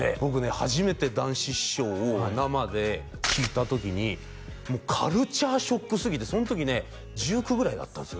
初めて談志師匠を生で聴いた時にもうカルチャーショックすぎてその時ね１９ぐらいだったんですよ